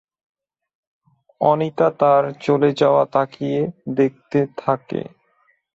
অনিতা তার চলে যাওয়া তাকিয়ে দেখতে থাকে।